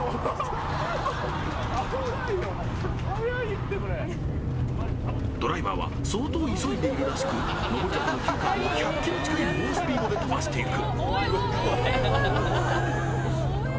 危ないよ、ドライバーは相当急いでいるらしく、上り坂の急カーブを１００キロ近い猛スピードで飛ばしていく。